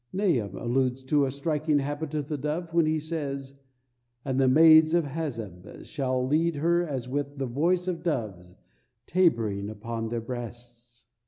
Nahum alludes to a striking habit of the dove when he says: "And the maids of Hazzab shall lead her as with the voice of doves, tabering upon their breasts."